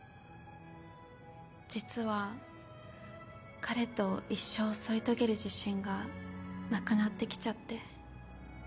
実は彼と一生添い遂げる自信がなくなってきちゃって。